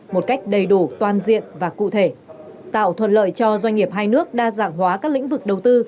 một cách đầy đủ toàn diện và cụ thể tạo thuận lợi cho doanh nghiệp hai nước đa dạng hóa các lĩnh vực đầu tư